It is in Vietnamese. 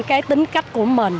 cái tính cách của mình